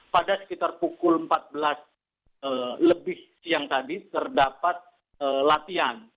pada sekitar pukul empat belas lebih siang tadi terdapat latihan